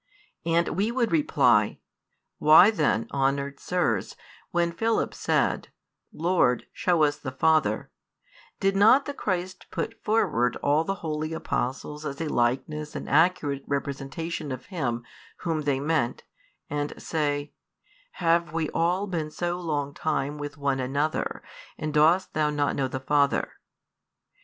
And we would reply, "Why then, honoured Sirs, when Philip said: Lord, shew us the Father, did not the Christ put forward all the holy Apostles as a likeness and accurate representation of Him Whom they meant, and say, 'Have we [all] been so long time with one another, and dost thou not know the Father?"